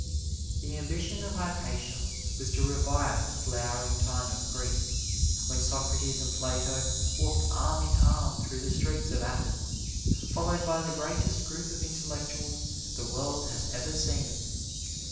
The ambition of Hypatia was to revive the flowering time of Greece, when Socrates and Plato walked arm in arm through the streets of Athens, followed by the greatest group of intellectuals the world has ever seen.